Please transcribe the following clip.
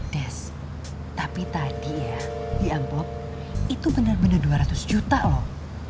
des tapi tadi ya di amplop itu benar benar dua ratus juta loh